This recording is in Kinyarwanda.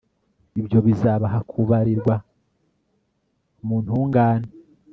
ibyo bizabaha kubarirwa mu ntungane